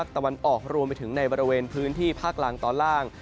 ตะวันออกรวมไปถึงในบริเวณพื้นที่ภาคล่างตอนล่าง